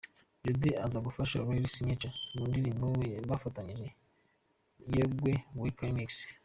Joddy aza gufasha Ray Signature mu ndirimbo bafatanyije 'Yegwe weka'Remix.